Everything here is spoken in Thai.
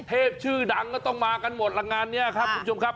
ชื่อดังก็ต้องมากันหมดละงานนี้ครับคุณผู้ชมครับ